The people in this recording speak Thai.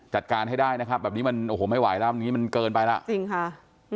จัดการให้ได้นะครับแบบนี้มันโอ้โหไม่ไหวแล้วอย่างนี้มันเกินไปแล้วจริงค่ะ